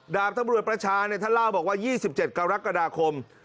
ดาบตำรวจประชาท่านเล่าบอกว่า๒๗กรกฎาคม